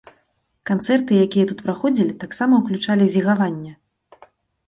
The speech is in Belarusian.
Канцэрты, якія тут праходзілі, таксама ўключалі зігаванне.